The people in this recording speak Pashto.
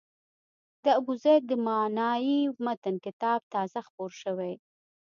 د ابوزید د معنای متن کتاب تازه خپور شوی و.